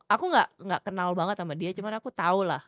aku gak kenal banget sama dia cuman aku tau lah